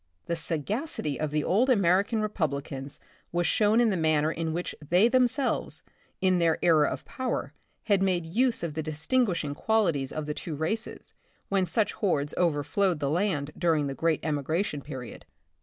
The sagacity of the old American Republicans was shown in the manner in which they themselves, in their era of power, had made use of the distinguish ing qualities of the two races, when such hordes overflowed .the land during the great emigration period.